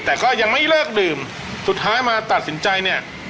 แต่ก็ยังไม่เลิกดื่มสุดท้ายมาตัดสินใจเนี่ย